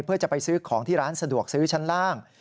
เพื่อจะไปซื้อของที่ร้านสะดวกซื้อชั้นล่าง